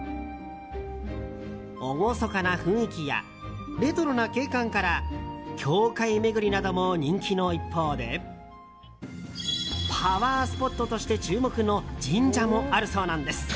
厳かな雰囲気やレトロな景観から教会巡りなども人気の一方でパワースポットとして注目の神社もあるそうなんです。